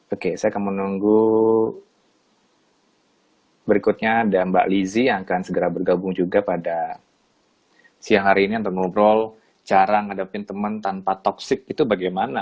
oke saya akan menunggu berikutnya ada mbak lizzie yang akan segera bergabung juga pada siang hari ini untuk ngobrol cara menghadapi teman tanpa toxic itu bagaimana